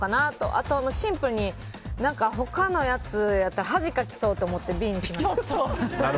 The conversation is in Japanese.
あとシンプルに他のやつやったら恥かきそうって思ってＢにしました。